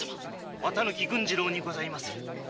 綿貫郡次郎にございまする。